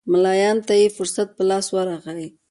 ملایانو ته یې فرصت په لاس ورغی.